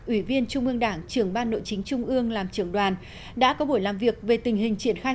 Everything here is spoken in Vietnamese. ủy viên trung ương đảng trưởng ban nội chính trung ương làm trưởng đoàn đã có buổi làm việc về tình hình triển khai